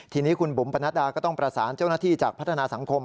ทีนี้คุณบุ๋มปนัดดาก็ต้องประสานเจ้าหน้าที่จากพัฒนาสังคม